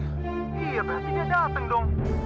iya berarti dia datang dong